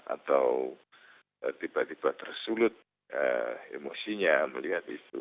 atau tiba tiba tersulut emosinya melihat itu